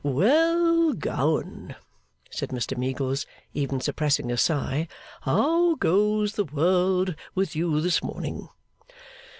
'Well, Gowan,' said Mr Meagles, even suppressing a sigh; 'how goes the world with you this morning?